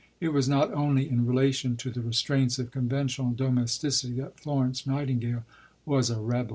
It was not only in relation to the restraints of conventional domesticity that Florence Nightingale was a rebel.